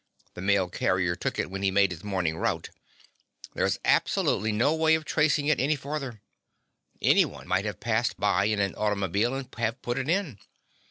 The mail carrier took it when he made his morning route. There's absolutely no way of tracing it any farther. Any one might have passed by in an automobile and have put it in.